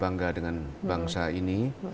berharga dengan bangsa ini